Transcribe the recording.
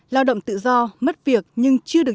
lao động tự do mất việc nhưng chưa được